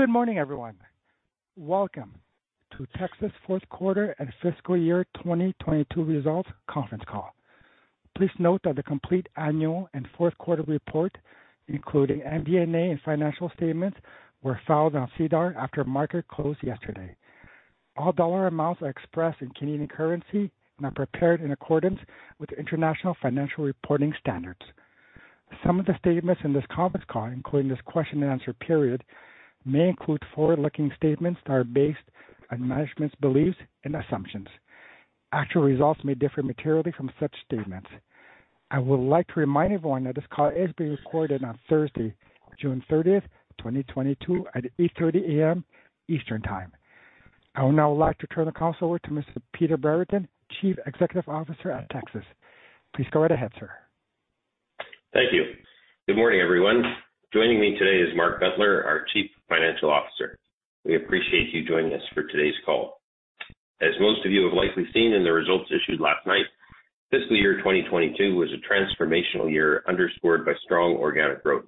Good morning, everyone. Welcome to Tecsys Fourth Quarter and Fiscal Year 2022 Results Conference call. Please note that the complete Annual and Fourth Quarter Report, including MD&A and financial statements, were filed on SEDAR after market closed yesterday. All dollar amounts are expressed in Canadian currency and are prepared in accordance with International Financial Reporting Standards. Some of the statements in this conference call, including this question and answer period, may include forward-looking statements that are based on management's beliefs and assumptions. Actual results may differ materially from such statements. I would like to remind everyone that this call is being recorded on Thursday, June 30, 2022 at 8:30 A.M. Eastern Time. I would now like to turn the call over to Mr. Peter Brereton, Chief Executive Officer at Tecsys. Please go right ahead, sir. Thank you. Good morning, everyone. Joining me today is Mark Bentler, our Chief Financial Officer. We appreciate you joining us for today's call. As most of you have likely seen in the results issued last night, fiscal year 2022 was a transformational year underscored by strong organic growth.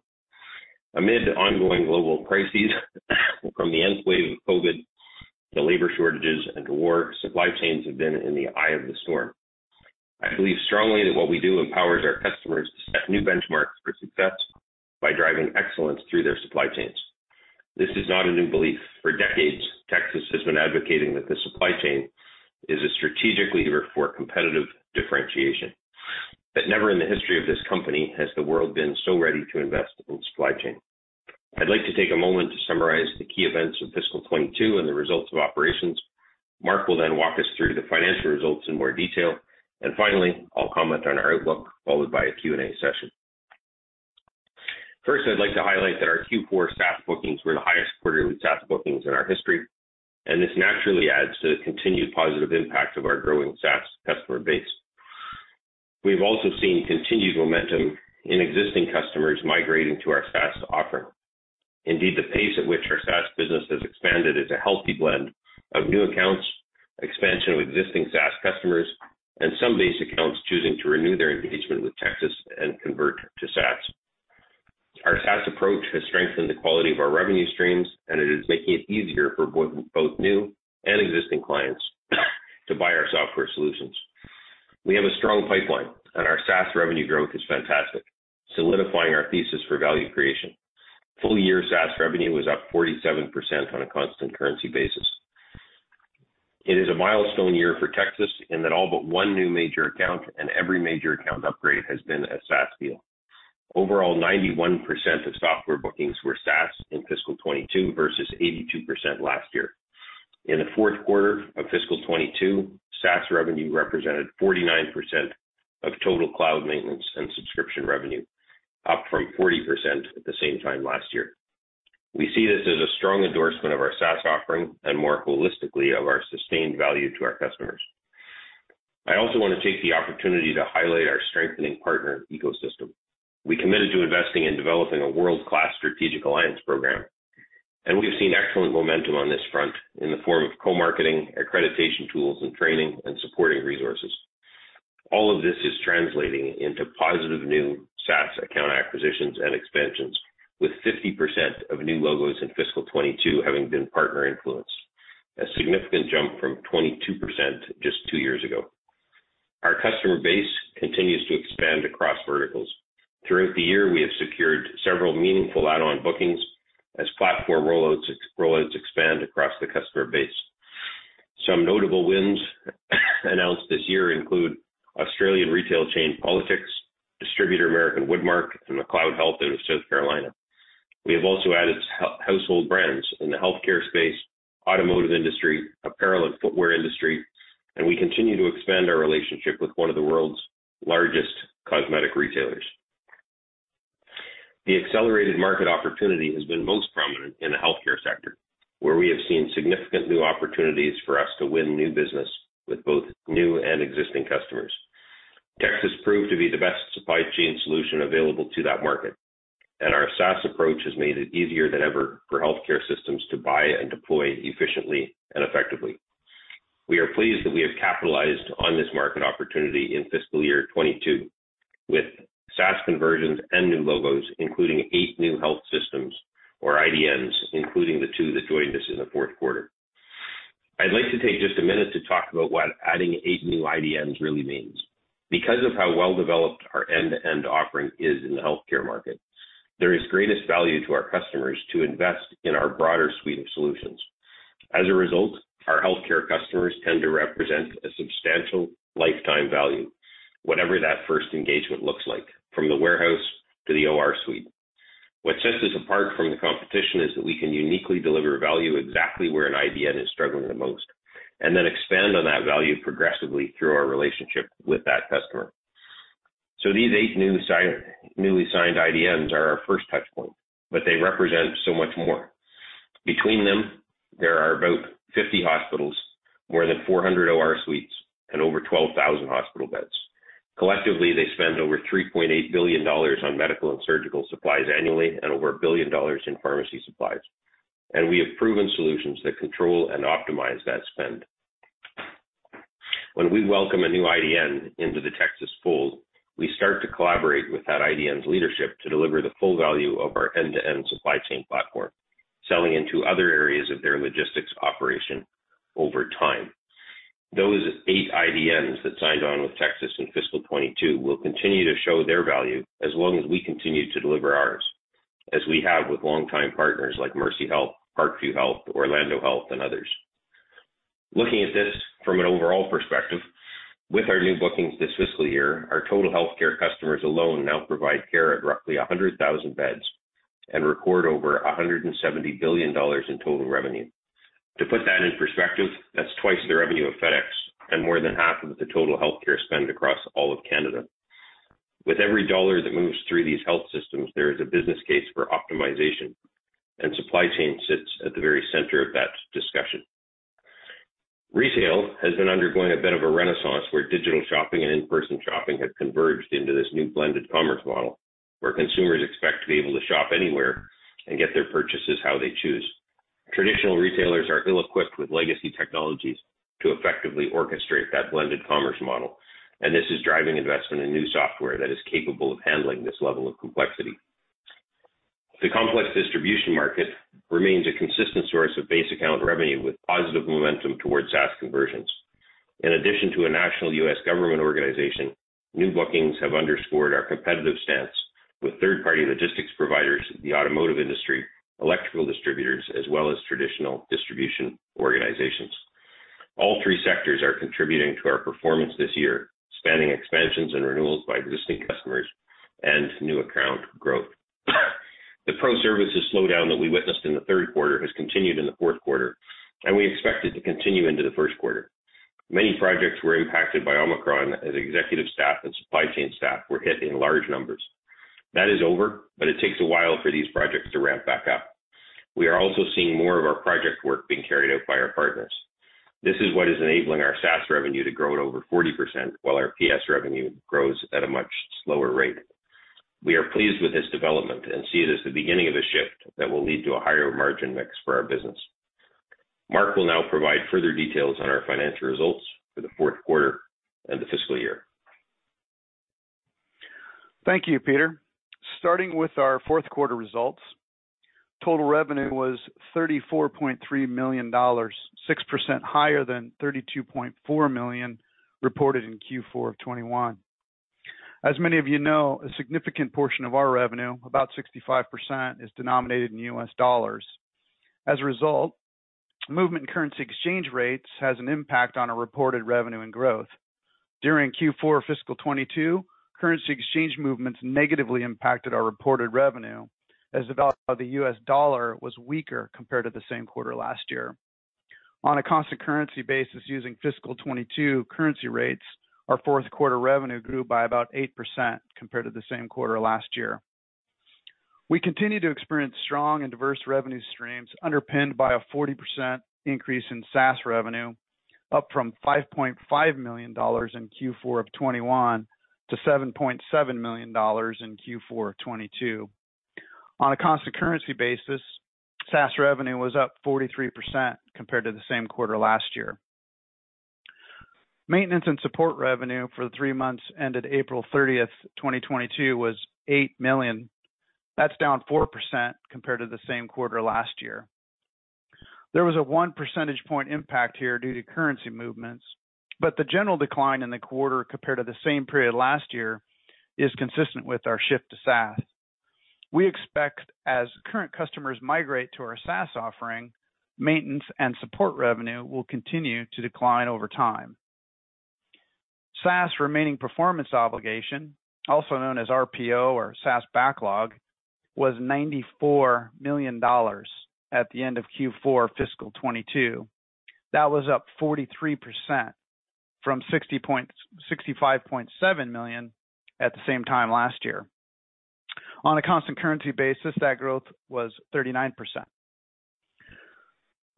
Amid ongoing global crises, from the nth wave of COVID to labor shortages and to war, supply chains have been in the eye of the storm. I believe strongly that what we do empowers our customers to set new benchmarks for success by driving excellence through their supply chains. This is not a new belief. For decades, Tecsys has been advocating that the supply chain is a strategic leader for competitive differentiation. Never in the history of this company has the world been so ready to invest in supply chain. I'd like to take a moment to summarize the key events of fiscal 2022 and the results of operations. Mark will then walk us through the financial results in more detail. Finally, I'll comment on our outlook, followed by a Q&A session. First, I'd like to highlight that our Q4 SaaS bookings were the highest quarterly SaaS bookings in our history, and this naturally adds to the continued positive impact of our growing SaaS customer base. We've also seen continued momentum in existing customers migrating to our SaaS offering. Indeed, the pace at which our SaaS business has expanded is a healthy blend of new accounts, expansion of existing SaaS customers, and some base accounts choosing to renew their engagement with Tecsys and convert to SaaS. Our SaaS approach has strengthened the quality of our revenue streams, and it is making it easier for both new and existing clients to buy our software solutions. We have a strong pipeline, and our SaaS revenue growth is fantastic, solidifying our thesis for value creation. Full year SaaS revenue was up 47% on a constant currency basis. It is a milestone year for Tecsys in that all but one new major account and every major account upgrade has been a SaaS deal. Overall, 91% of software bookings were SaaS in fiscal 2022 versus 82% last year. In the fourth quarter of fiscal 2022, SaaS revenue represented 49% of total cloud maintenance and subscription revenue, up from 40% at the same time last year. We see this as a strong endorsement of our SaaS offering and more holistically of our sustained value to our customers. I also want to take the opportunity to highlight our strengthening partner ecosystem. We committed to investing in developing a world-class strategic alliance program, and we have seen excellent momentum on this front in the form of co-marketing, accreditation tools, and training and supporting resources. All of this is translating into positive new SaaS account acquisitions and expansions, with 50% of new logos in fiscal 2022 having been partner influenced, a significant jump from 22% just two years ago. Our customer base continues to expand across verticals. Throughout the year, we have secured several meaningful add-on bookings as platform rollouts expand across the customer base. Some notable wins announced this year include Australian retail chain Politix, distributor American Woodmark, and McLeod Health out of South Carolina. We have also added household brands in the healthcare space, automotive industry, apparel and footwear industry, and we continue to expand our relationship with one of the world's largest cosmetic retailers. The accelerated market opportunity has been most prominent in the healthcare sector, where we have seen significant new opportunities for us to win new business with both new and existing customers. Tecsys proved to be the best supply chain solution available to that market, and our SaaS approach has made it easier than ever for healthcare systems to buy and deploy efficiently and effectively. We are pleased that we have capitalized on this market opportunity in fiscal year 2022 with SaaS conversions and new logos, including eight new health systems or IDNs, including the two that joined us in the fourth quarter. I'd like to take just a minute to talk about what adding eight new IDNs really means. Because of how well-developed our end-to-end offering is in the healthcare market, there is greatest value to our customers to invest in our broader suite of solutions. As a result, our healthcare customers tend to represent a substantial lifetime value, whatever that first engagement looks like, from the warehouse to the OR suite. What sets us apart from the competition is that we can uniquely deliver value exactly where an IDN is struggling the most, and then expand on that value progressively through our relationship with that customer. These eight newly signed IDNs are our first touch point, but they represent so much more. Between them, there are about 50 hospitals, more than 400 OR suites, and over 12,000 hospital beds. Collectively, they spend over 3.8 billion dollars on medical and surgical supplies annually and over $1 billion in pharmacy supplies. We have proven solutions that control and optimize that spend. When we welcome a new IDN into the Tecsys fold, we start to collaborate with that IDN's leadership to deliver the full value of our end-to-end supply chain platform, selling into other areas of their logistics operation over time. Those eight IDNs that signed on with Tecsys in fiscal 2022 will continue to show their value as long as we continue to deliver ours, as we have with longtime partners like Mercy Health, Parkview Health, Orlando Health, and others. Looking at this from an overall perspective, with our new bookings this fiscal year, our total healthcare customers alone now provide care at roughly 100,000 beds and record over 170 billion dollars in total revenue. To put that in perspective, that's twice the revenue of FedEx and more than half of the total healthcare spend across all of Canada. With every dollar that moves through these health systems, there is a business case for optimization, and supply chain sits at the very center of that discussion. Retail has been undergoing a bit of a renaissance where digital shopping and in-person shopping have converged into this new blended commerce model, where consumers expect to be able to shop anywhere and get their purchases how they choose. Traditional retailers are ill-equipped with legacy technologies to effectively orchestrate that blended commerce model, and this is driving investment in new software that is capable of handling this level of complexity. The complex distribution market remains a consistent source of base account revenue with positive momentum towards SaaS conversions. In addition to a national U.S. government organization, new bookings have underscored our competitive stance with third-party logistics providers, the automotive industry, electrical distributors, as well as traditional distribution organizations. All three sectors are contributing to our performance this year, spanning expansions and renewals by existing customers and new account growth. The pro services slowdown that we witnessed in the third quarter has continued in the fourth quarter, and we expect it to continue into the first quarter. Many projects were impacted by Omicron as executive staff and supply chain staff were hit in large numbers. That is over, but it takes a while for these projects to ramp back up. We are also seeing more of our project work being carried out by our partners. This is what is enabling our SaaS revenue to grow at over 40%, while our PS revenue grows at a much slower rate. We are pleased with this development and see it as the beginning of a shift that will lead to a higher margin mix for our business. Mark will now provide further details on our financial results for the fourth quarter and the fiscal year. Thank you, Peter. Starting with our fourth quarter results, total revenue was 34.3 million dollars, 6% higher than 32.4 million reported in Q4 of 2021. As many of you know, a significant portion of our revenue, about 65%, is denominated in U.S. Dollars. As a result, movement in currency exchange rates has an impact on our reported revenue and growth. During Q4 fiscal 2022, currency exchange movements negatively impacted our reported revenue as the value of the U.S. dollar was weaker compared to the same quarter last year. On a constant currency basis using fiscal 2022 currency rates, our fourth quarter revenue grew by about 8% compared to the same quarter last year. We continue to experience strong and diverse revenue streams underpinned by a 40% increase in SaaS revenue, up from 5.5 million dollars in Q4 of 2021 to 7.7 million dollars in Q4 of 2022. On a constant currency basis, SaaS revenue was up 43% compared to the same quarter last year. Maintenance and support revenue for the three months ended April 30, 2022 was 8 million. That's down 4% compared to the same quarter last year. There was a one percentage point impact here due to currency movements, but the general decline in the quarter compared to the same period last year is consistent with our shift to SaaS. We expect as current customers migrate to our SaaS offering, maintenance and support revenue will continue to decline over time. SaaS remaining performance obligation, also known as RPO or SaaS backlog, was 94 million dollars at the end of Q4 fiscal 2022. That was up 43% from 65.7 million at the same time last year. On a constant currency basis, that growth was 39%.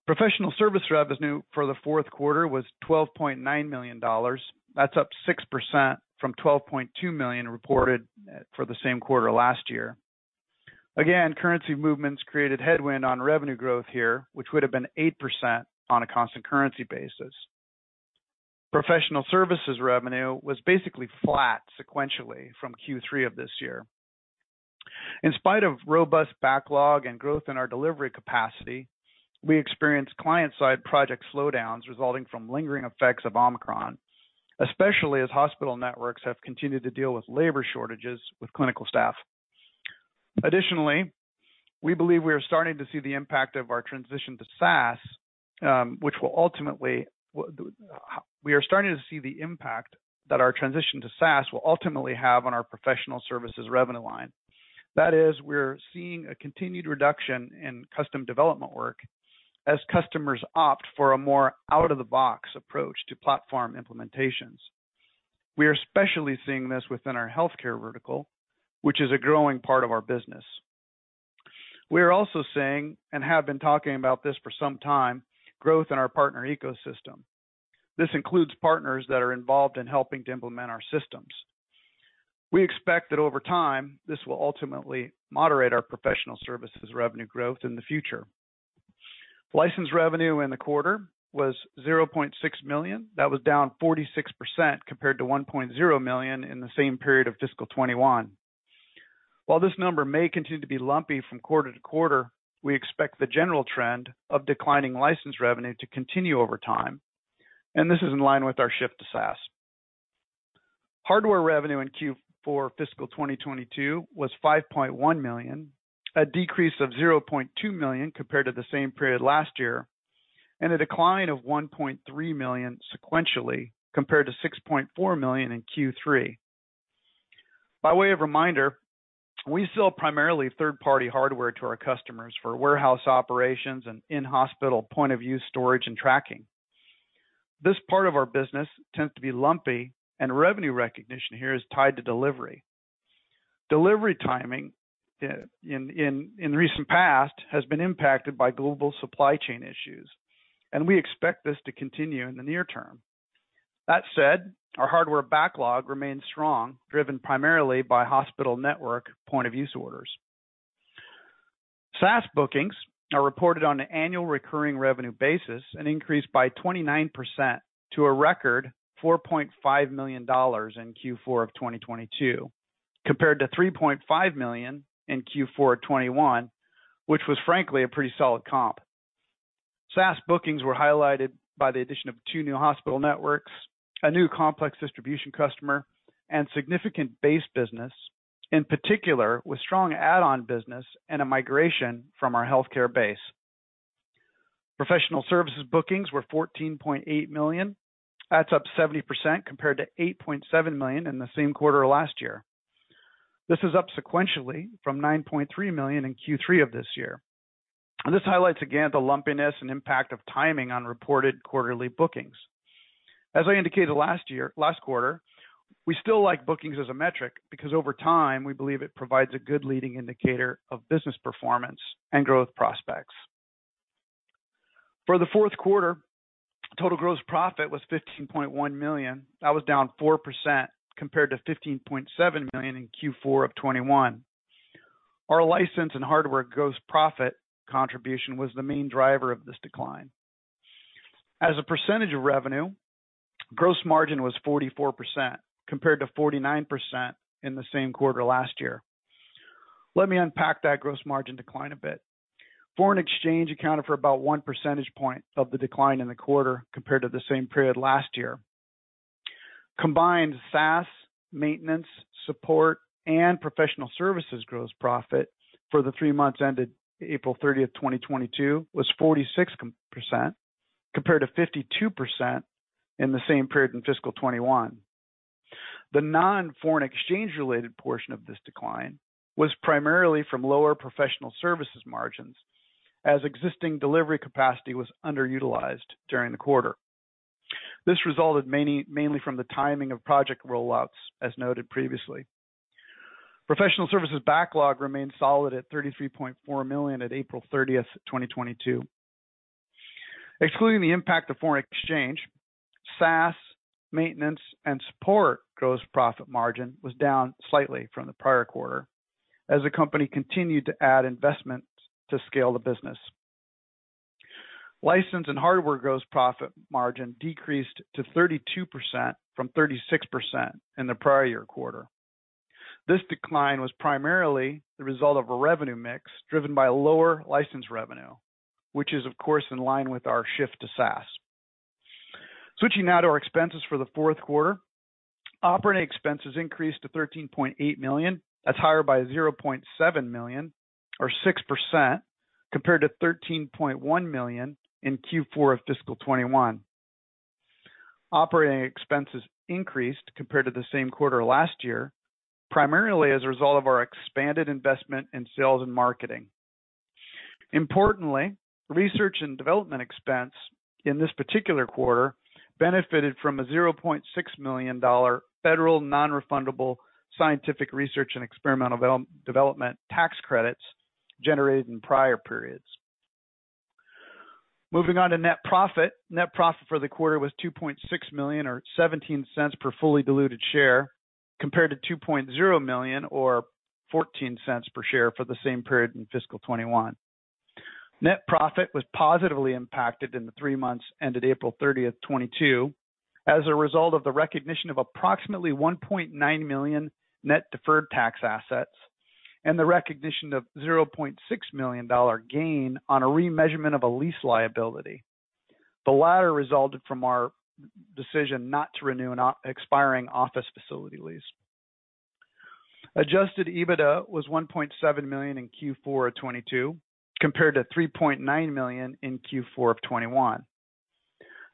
Professional service revenue for the fourth quarter was 12.9 million dollars. That's up 6% from 12.2 million reported for the same quarter last year. Again, currency movements created headwind on revenue growth here, which would have been 8% on a constant currency basis. Professional services revenue was basically flat sequentially from Q3 of this year. In spite of robust backlog and growth in our delivery capacity, we experienced client-side project slowdowns resulting from lingering effects of Omicron, especially as hospital networks have continued to deal with labor shortages with clinical staff. We are starting to see the impact that our transition to SaaS will ultimately have on our professional services revenue line. That is, we're seeing a continued reduction in custom development work as customers opt for a more out-of-the-box approach to platform implementations. We are especially seeing this within our healthcare vertical, which is a growing part of our business. We are also seeing, and have been talking about this for some time, growth in our partner ecosystem. This includes partners that are involved in helping to implement our systems. We expect that over time, this will ultimately moderate our professional services revenue growth in the future. License revenue in the quarter was 0.6 million. That was down 46% compared to 1.0 million in the same period of fiscal 2021. While this number may continue to be lumpy from quarter-to-quarter, we expect the general trend of declining license revenue to continue over time, and this is in line with our shift to SaaS. Hardware revenue in Q4 fiscal 2022 was 5.1 million, a decrease of 0.2 million compared to the same period last year, and a decline of 1.3 million sequentially compared to 6.4 million in Q3. By way of reminder, we sell primarily third-party hardware to our customers for warehouse operations and in-hospital point of use storage and tracking. This part of our business tends to be lumpy, and revenue recognition here is tied to delivery. Delivery timing in recent past has been impacted by global supply chain issues, and we expect this to continue in the near term. That said, our hardware backlog remains strong, driven primarily by hospital network point of use orders. SaaS bookings are reported on an annual recurring revenue basis and increased by 29% to a record 4.5 million dollars in Q4 of 2022, compared to 3.5 million in Q4 of 2021, which was frankly a pretty solid comp. SaaS bookings were highlighted by the addition of two new hospital networks, a new complex distribution customer, and significant base business, in particular with strong add-on business and a migration from our healthcare base. Professional services bookings were 14.8 million. That's up 70% compared to 8.7 million in the same quarter last year. This is up sequentially from 9.3 million in Q3 of this year. This highlights again the lumpiness and impact of timing on reported quarterly bookings. As I indicated last quarter, we still like bookings as a metric because over time, we believe it provides a good leading indicator of business performance and growth prospects. For the fourth quarter, total gross profit was 15.1 million. That was down 4% compared to 15.7 million in Q4 of 2021. Our license and hardware gross profit contribution was the main driver of this decline. As a percentage of revenue, gross margin was 44%, compared to 49% in the same quarter last year. Let me unpack that gross margin decline a bit. Foreign exchange accounted for about one percentage point of the decline in the quarter compared to the same period last year. Combined SaaS, maintenance, support, and professional services gross profit for the three months ended April 30, 2022 was 46%, compared to 52% in the same period in fiscal 2021. The non-foreign-exchange-related portion of this decline was primarily from lower professional services margins as existing delivery capacity was underutilized during the quarter. This resulted mainly from the timing of project rollouts, as noted previously. Professional services backlog remained solid at 33.4 million at April 30, 2022. Excluding the impact of foreign exchange, SaaS, maintenance, and support gross profit margin was down slightly from the prior quarter as the company continued to add investments to scale the business. License and hardware gross profit margin decreased to 32% from 36% in the prior year quarter. This decline was primarily the result of a revenue mix driven by lower license revenue, which is of course in line with our shift to SaaS. Switching now to our expenses for the fourth quarter. Operating expenses increased to 13.8 million. That's higher by 0.7 million or 6% compared to 13.1 million in Q4 of fiscal 2021. Operating expenses increased compared to the same quarter last year, primarily as a result of our expanded investment in sales and marketing. Importantly, research and development expense in this particular quarter benefited from a 0.6 million dollar federal non-refundable scientific research and experimental development tax credits generated in prior periods. Moving on to net profit. Net profit for the quarter was 2.6 million or 0.17 per fully diluted share, compared to 2.0 million or 0.14 per share for the same period in fiscal 2021. Net profit was positively impacted in the three months ended April 30, 2022, as a result of the recognition of approximately 1.9 million net deferred tax assets and the recognition of 0.6 million dollar gain on a remeasurement of a lease liability. The latter resulted from our decision not to renew an expiring office facility lease. Adjusted EBITDA was 1.7 million in Q4 of 2022, compared to 3.9 million in Q4 of 2021.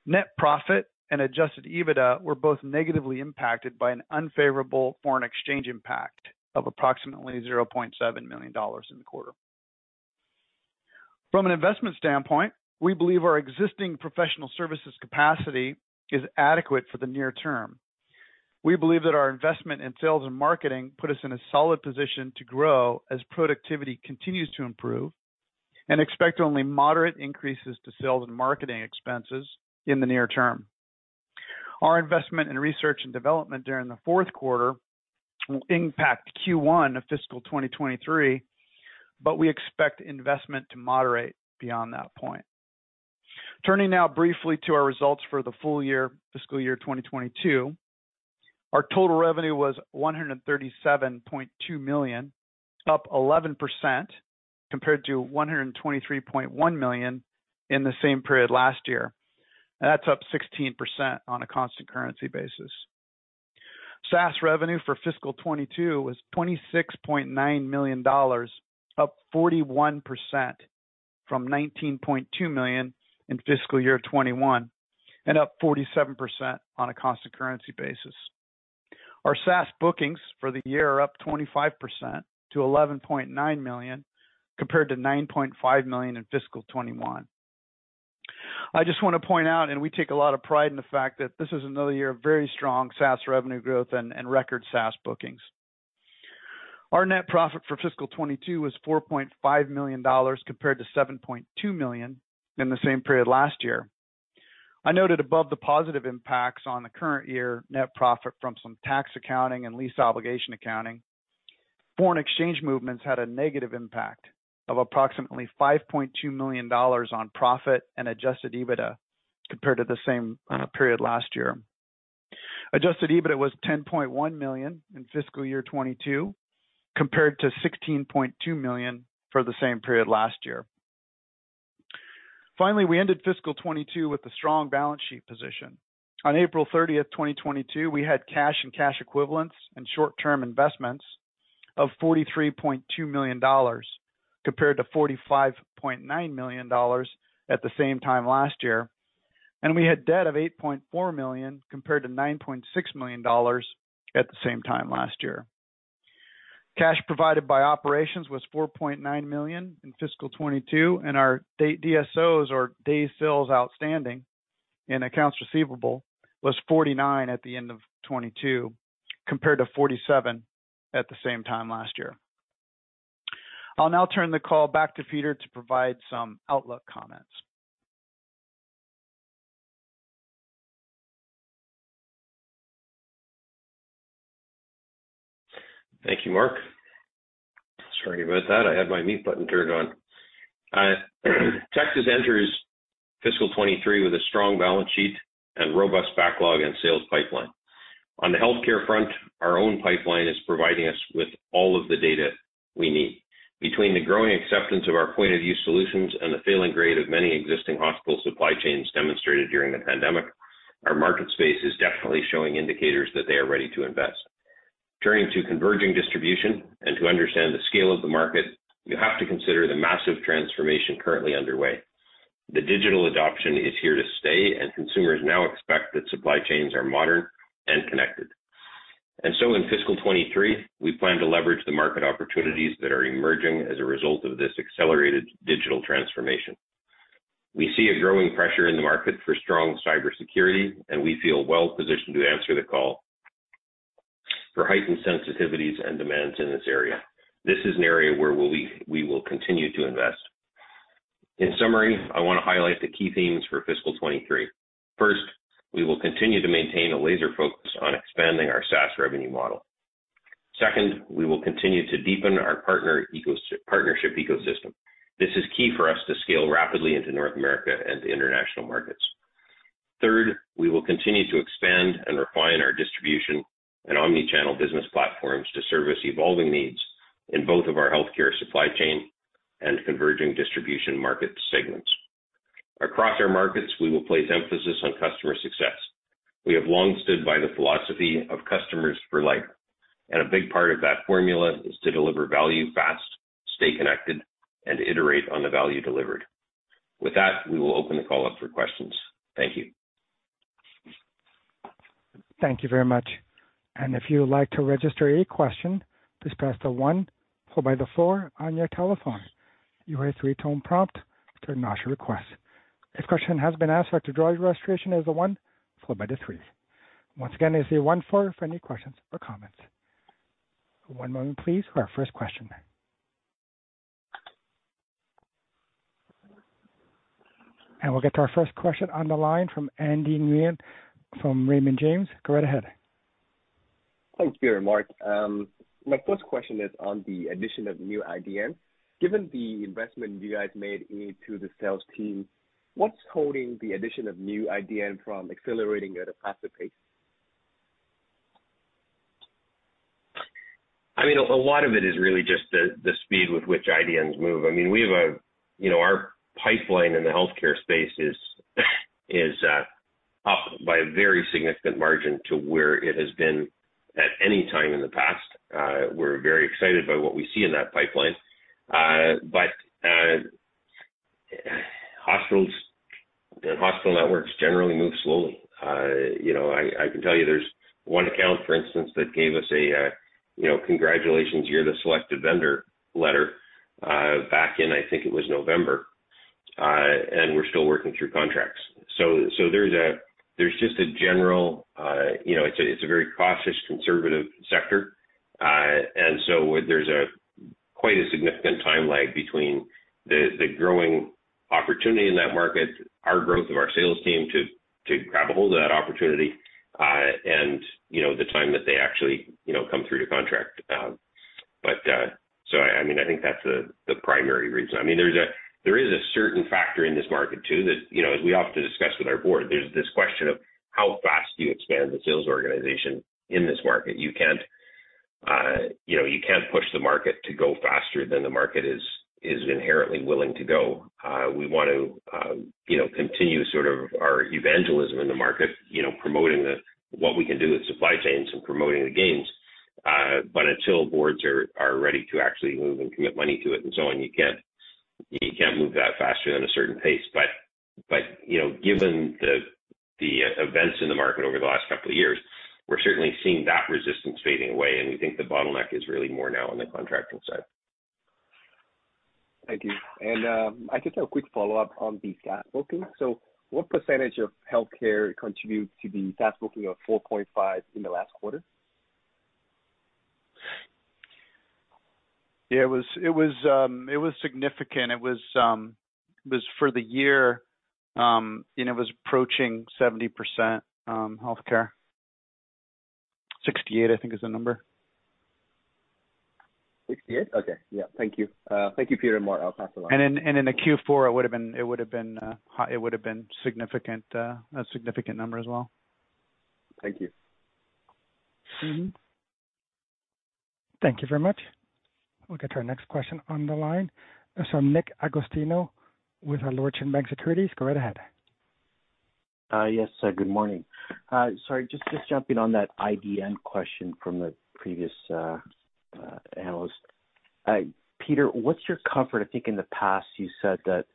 Net profit and adjusted EBITDA were both negatively impacted by an unfavorable foreign exchange impact of approximately 0.7 million dollars in the quarter. From an investment standpoint, we believe our existing professional services capacity is adequate for the near term. We believe that our investment in sales and marketing put us in a solid position to grow as productivity continues to improve. Expect only moderate increases to sales and marketing expenses in the near term. Our investment in research and development during the fourth quarter will impact Q1 of fiscal 2023, but we expect investment to moderate beyond that point. Turning now briefly to our results for the full year, fiscal year 2022. Our total revenue was 137.2 million, up 11% compared to 123.1 million in the same period last year. That's up 16% on a constant currency basis. SaaS revenue for fiscal 2022 was 26.9 million dollars, up 41% from 19.2 million in fiscal 2021, and up 47% on a constant currency basis. Our SaaS bookings for the year are up 25% to 11.9 million, compared to 9.5 million in fiscal 2021. I just want to point out, and we take a lot of pride in the fact that this is another year of very strong SaaS revenue growth and record SaaS bookings. Our net profit for fiscal 2022 was 4.5 million dollars compared to 7.2 million in the same period last year. I noted above the positive impacts on the current year net profit from some tax accounting and lease obligation accounting. Foreign exchange movements had a negative impact of approximately 5.2 million dollars on profit and adjusted EBITDA compared to the same period last year. Adjusted EBITDA was 10.1 million in fiscal year 2022, compared to 16.2 million for the same period last year. Finally, we ended fiscal 2022 with a strong balance sheet position. On April 30, 2022, we had cash and cash equivalents and short-term investments of 43.2 million dollars, compared to 45.9 million dollars at the same time last year. We had debt of 8.4 million, compared to 9.6 million dollars at the same time last year. Cash provided by operations was 4.9 million in fiscal 2022, and our DSOs or days sales outstanding in accounts receivable was 49 at the end of 2022, compared to 47 at the same time last year. I'll now turn the call back to Peter to provide some outlook comments. Thank you, Mark. Sorry about that. I had my mute button turned on. Tecsys enters fiscal 2023 with a strong balance sheet and robust backlog and sales pipeline. On the healthcare front, our own pipeline is providing us with all of the data we need. Between the growing acceptance of our point-of-use solutions and the failing grade of many existing hospital supply chains demonstrated during the pandemic, our market space is definitely showing indicators that they are ready to invest. Turning to converging distribution and to understand the scale of the market, you have to consider the massive transformation currently underway. The digital adoption is here to stay, and consumers now expect that supply chains are modern and connected. In fiscal 2023, we plan to leverage the market opportunities that are emerging as a result of this accelerated digital transformation. We see a growing pressure in the market for strong cybersecurity, and we feel well positioned to answer the call for heightened sensitivities and demands in this area. This is an area where we will continue to invest. In summary, I want to highlight the key themes for fiscal 2023. First, we will continue to maintain a laser focus on expanding our SaaS revenue model. Second, we will continue to deepen our partnership ecosystem. This is key for us to scale rapidly into North America and the international markets. Third, we will continue to expand and refine our distribution and omnichannel business platforms to service evolving needs in both of our healthcare supply chain and converging distribution market segments. Across our markets, we will place emphasis on customer success. We have long stood by the philosophy of customers for life, and a big part of that formula is to deliver value fast, stay connected, and iterate on the value delivered. With that, we will open the call up for questions. Thank you. Thank you very much. If you would like to register a question, please press the one followed by the four on your telephone. You will hear a three-tone prompt to acknowledge your request. If your question has been asked or to withdraw your registration, press the one followed by the three. Once again, it's one, four for any questions or comments. One moment please for our first question. We'll get to our first question on the line from Andy Nguyen from Raymond James. Go right ahead. Thanks, Peter and Mark. My first question is on the addition of new IDNs. Given the investment you guys made into the sales team, what's holding the addition of new IDN from accelerating at a faster pace? I mean, a lot of it is really just the speed with which IDNs move. I mean, you know, our pipeline in the healthcare space is up by a very significant margin to where it has been at any time in the past. We're very excited by what we see in that pipeline. Hospitals and hospital networks generally move slowly. You know, I can tell you there's one account, for instance, that gave us a, you know, "Congratulations, you're the selected vendor" letter back in, I think it was November. We're still working through contracts. There's just a general, you know, it's a very cautious, conservative sector. There's a quite a significant time lag between the growing opportunity in that market, our growth of our sales team to grab a hold of that opportunity, and you know, the time that they actually you know, come through to contract. I mean, I think that's the primary reason. I mean, there is a certain factor in this market too that you know, as we often discuss with our board, there's this question of how fast do you expand the sales organization in this market. You can't you know, push the market to go faster than the market is inherently willing to go. We want to you know, continue sort of our evangelism in the market, you know, promoting what we can do with supply chains and promoting the gains. Until boards are ready to actually move and commit money to it and so on, you can't move that faster than a certain pace. You know, given the events in the market over the last couple of years, we're certainly seeing that resistance fading away, and we think the bottleneck is really more now on the contracting side. Thank you. I just have a quick follow-up on the SaaS booking. What percentage of healthcare contributes to the SaaS booking of 4.5% in the last quarter? Yeah, it was significant. It was for the year, you know, it was approaching 70%, healthcare. 68%, I think, is the number. 68%? Okay. Yeah. Thank you. Thank you, Peter. Mark, I'll pass it along. In the Q4, it would have been a significant number as well. Thank you. Mm-hmm. Thank you very much. We'll get to our next question on the line from Nick Agostino with our Laurentian Bank Securities. Go right ahead. Yes, good morning. Sorry, just jumping on that IDN question from the previous analyst. Peter, what's your comfort? I think in the past you said that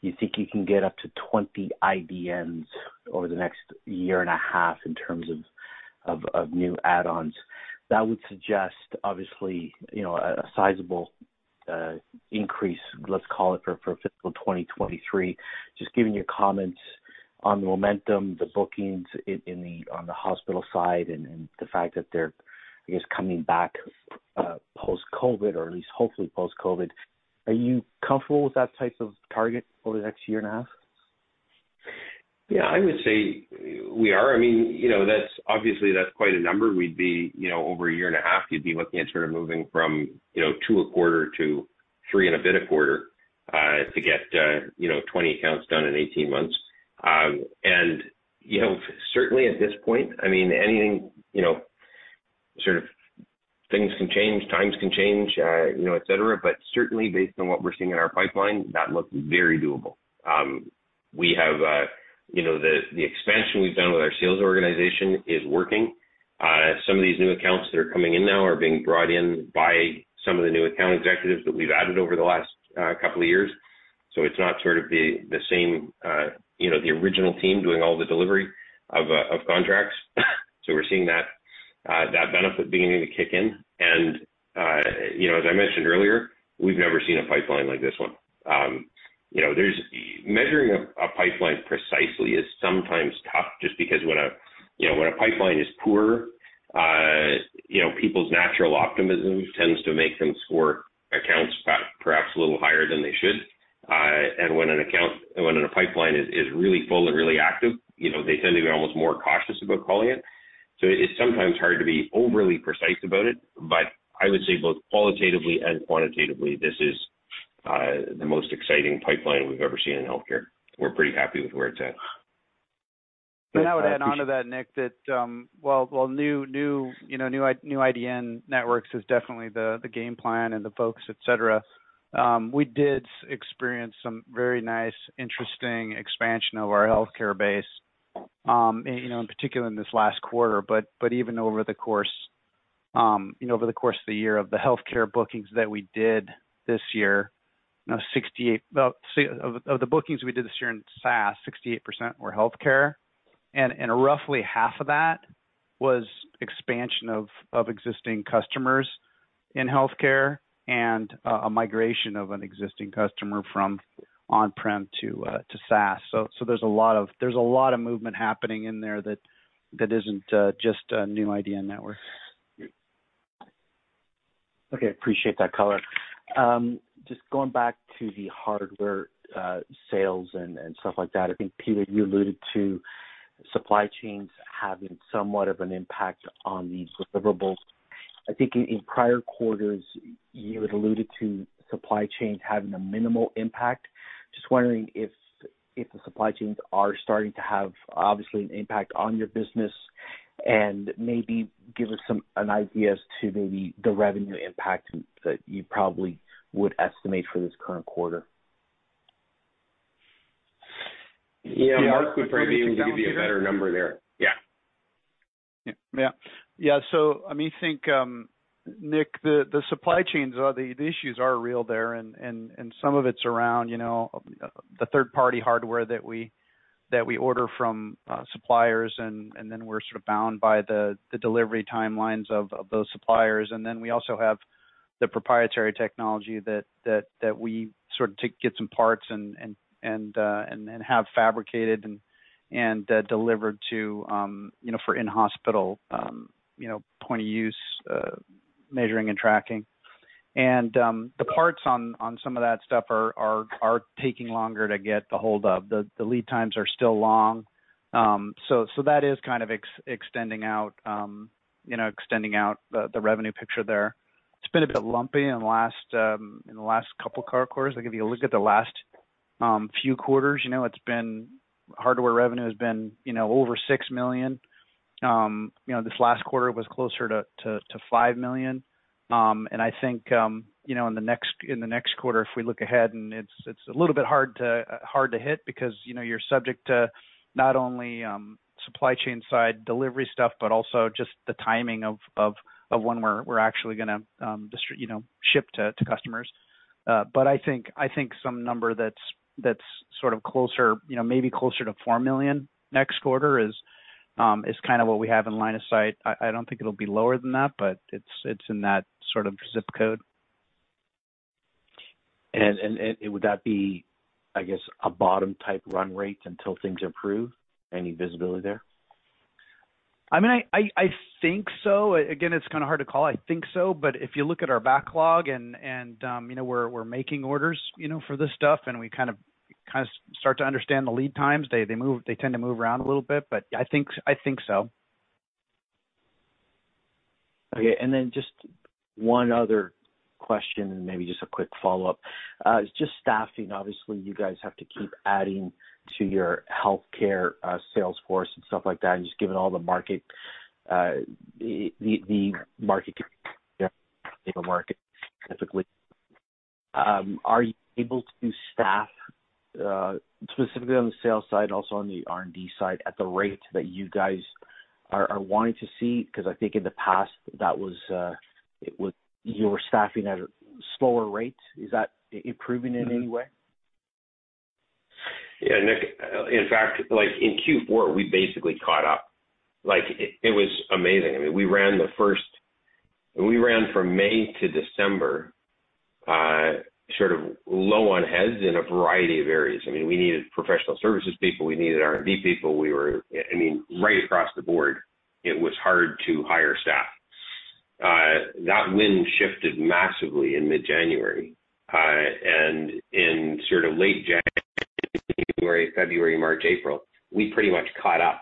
you think you can get up to 20 IDNs over the next year and a half in terms of new add-ons. That would suggest, obviously, you know, a sizable increase, let's call it, for fiscal 2023. Just giving your comments on the momentum, the bookings on the hospital side and the fact that they're, I guess, coming back post-COVID, or at least hopefully post-COVID. Are you comfortable with that type of target over the next year and a half? Yeah, I would say we are. I mean, you know, that's obviously quite a number. We'd be, you know, over a year and a half, you'd be looking at sort of moving from, you know, two a quarter to three and a bit a quarter, to get, you know, 20 accounts done in 18 months. You know, certainly at this point, I mean, anything, you know, sort of things can change, times can change, you know, et cetera. Certainly, based on what we're seeing in our pipeline, that looks very doable. We have, you know, the expansion we've done with our sales organization is working. Some of these new accounts that are coming in now are being brought in by some of the new account executives that we've added over the last couple of years. It's not sort of the same original team doing all the delivery of contracts. We're seeing that benefit beginning to kick in. As I mentioned earlier, we've never seen a pipeline like this one. Measuring a pipeline precisely is sometimes tough just because when a pipeline is poor, people's natural optimism tends to make them score accounts perhaps a little higher than they should. When a pipeline is really full and really active, they tend to be almost more cautious about calling it. It's sometimes hard to be overly precise about it. But I would say both qualitatively and quantitatively, this is the most exciting pipeline we've ever seen in healthcare. We're pretty happy with where it's at. I would add on to that, Nick, that while new IDN networks is definitely the game plan and the focus, et cetera, we did experience some very nice, interesting expansion of our healthcare base, and, you know, in particular in this last quarter. Even over the course of the year of the healthcare bookings that we did this year, you know, 68% of the bookings we did this year in SaaS, 68% were healthcare. Roughly half of that was expansion of existing customers in healthcare and a migration of an existing customer from on-prem to SaaS. There's a lot of movement happening in there that isn't just a new IDN network. Okay. Appreciate that color. Just going back to the hardware sales and stuff like that. I think, Peter, you alluded to supply chains having somewhat of an impact on the deliverables. I think in prior quarters, you had alluded to supply chains having a minimal impact. Just wondering if the supply chains are starting to have, obviously, an impact on your business, and maybe give us an idea as to maybe the revenue impact that you probably would estimate for this current quarter? Yeah. Mark would probably be able to give you a better number there. Yeah. Yeah. Yeah. Let me think, Nick, the supply chains are the issues are real there and some of it's around, you know, the third party hardware that we order from suppliers and then we're sort of bound by the delivery timelines of those suppliers. We also have. The proprietary technology that we sort of get some parts and have fabricated and delivered to you know for in-hospital point of use measuring and tracking. The parts on some of that stuff are taking longer to get a hold of. The lead times are still long. So that is kind of extending out you know extending out the revenue picture there. It's been a bit lumpy in the last couple quarters. I'll give you a look at the last few quarters. You know, it's been. Hardware revenue has been, you know, over 6 million. This last quarter was closer to 5 million. I think, you know, in the next quarter, if we look ahead and it's a little bit hard to hit because, you know, you're subject to not only supply chain side delivery stuff, but also just the timing of when we're actually gonna ship to customers. I think some number that's sort of closer, you know, maybe closer to 4 million next quarter is kind of what we have in line of sight. I don't think it'll be lower than that, but it's in that sort of zip code. Would that be, I guess, a bottom type run rate until things improve? Any visibility there? I mean, I think so. Again, it's kind of hard to call. I think so. If you look at our backlog and you know, we're making orders, you know, for this stuff, and we kind of start to understand the lead times. They move, they tend to move around a little bit, but I think so. Okay. Just one other question and maybe just a quick follow-up. It's just staffing. Obviously, you guys have to keep adding to your healthcare sales force and stuff like that, just given all the market. Yeah. The market specifically. Are you able to staff, specifically on the sales side, also on the R&D side, at the rate that you guys are wanting to see? 'Cause I think in the past that was, it was you were staffing at a slower rate. Is that improving in any way? Yeah, Nick, in fact, like in Q4, we basically caught up. Like, it was amazing. I mean, we ran from May to December, sort of low on heads in a variety of areas. I mean, we needed professional services people, we needed R&D people. I mean, right across the board, it was hard to hire staff. That wind shifted massively in mid-January. In sort of late January, February, March, April, we pretty much caught up.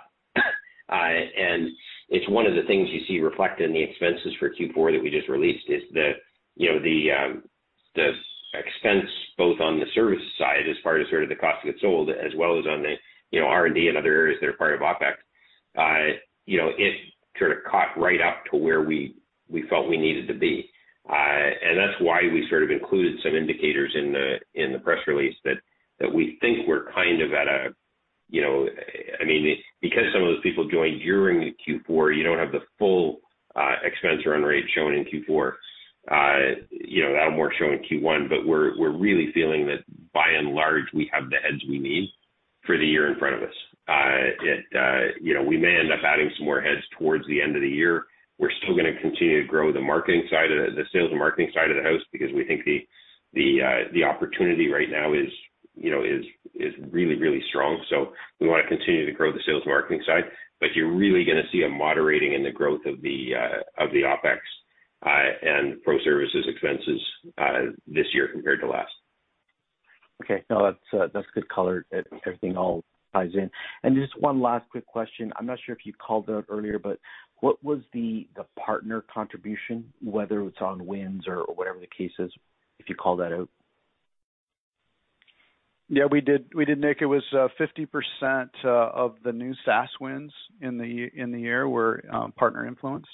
It's one of the things you see reflected in the expenses for Q4 that we just released is the, you know, the expense both on the service side as far as sort of the cost of goods sold, as well as on the, you know, R&D and other areas that are part of OpEx. You know, it sort of caught right up to where we felt we needed to be. That's why we sort of included some indicators in the press release that we think we're kind of at a, you know. I mean, because some of those people joined during Q4, you don't have the full expense run rate shown in Q4, that'll more show in Q1. We're really feeling that by and large, we have the heads we need for the year in front of us. You know, we may end up adding some more heads towards the end of the year. We're still gonna continue to grow the marketing side, the sales and marketing side of the house because we think the opportunity right now is, you know, really strong. We wanna continue to grow the sales and marketing side. You're really gonna see a moderating in the growth of the OpEx and pro services expenses this year compared to last. Okay. No, that's good color. Everything all ties in. Just one last quick question. I'm not sure if you called out earlier, but what was the partner contribution, whether it's on wins or whatever the case is, if you call that out? Yeah, we did, Nick. It was 50% of the new SaaS wins in the year were partner influence.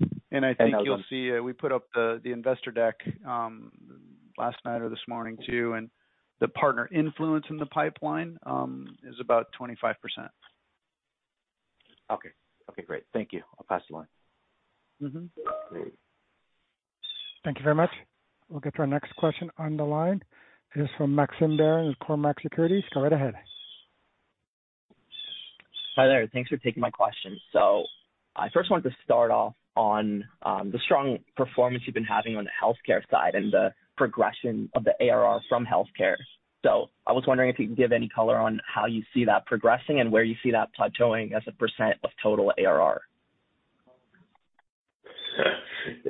That was. I think you'll see, we put up the investor deck last night or this morning too, and the partner influence in the pipeline is about 25%. Okay. Okay, great. Thank you. I'll pass the line. Mm-hmm. Great. Thank you very much. We'll get to our next question on the line. It is from Maxim Barron with Cormark Securities. Go right ahead. Hi there. Thanks for taking my question. I first wanted to start off on the strong performance you've been having on the healthcare side and the progression of the ARR from healthcare. I was wondering if you could give any color on how you see that progressing and where you see that plateauing as a % of total ARR.